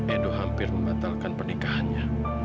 edo hampir membatalkan pernikahannya